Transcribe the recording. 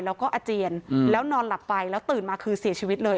แล้วก็อาเจียนแล้วนอนหลับไปแล้วตื่นมาคือเสียชีวิตเลย